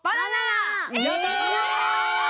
やった！え！